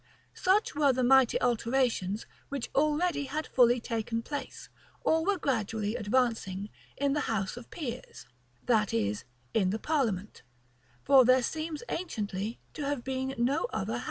Such were the mighty alterations which already had fully taken place, or were gradually advancing, in the house of peers; that is, in the parliament: for there seems anciently to have been no other house.